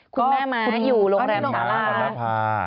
คุณแม่มาอยู่โรงแรมสารา